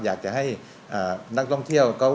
อยากจะให้นักท่องเที่ยว